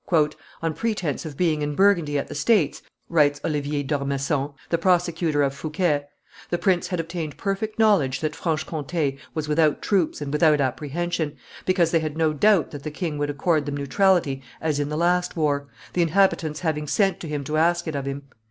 "On pretence of being in Burgundy at the states," writes Oliver d'Ormesson, the prosecutor of Fouquet, "the prince had obtained perfect knowledge that Franche Comte was without troops and without apprehension, because they had no doubt that the king would accord them neutrality as in the last war, the inhabitants having sent to him to ask it of him.